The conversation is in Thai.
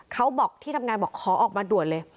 เขาบอกที่ทำงานบอกขอออกมาด่วนเลย